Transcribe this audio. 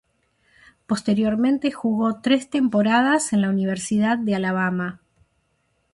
Posteriormente jugó tres temporadas en la Universidad de Alabama.